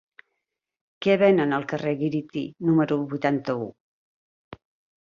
Què venen al carrer Gíriti número vuitanta-u?